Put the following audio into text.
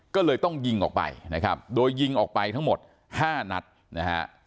ก็เลยต้องยิงออกไปนะครับโดยยิงออกไปทั้งหมดห้านัดนะฮะ